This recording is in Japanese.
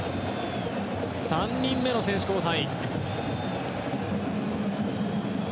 ３人目の選手交代。